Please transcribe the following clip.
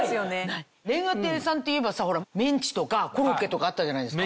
煉瓦亭さんっていえばメンチとかコロッケとかあったじゃないですか。